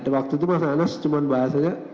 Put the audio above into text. waktu itu mas anas cuman bahas aja